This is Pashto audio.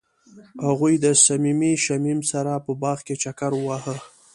هغوی د صمیمي شمیم سره په باغ کې چکر وواهه.